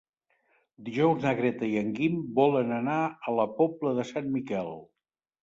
Dijous na Greta i en Guim volen anar a la Pobla de Sant Miquel.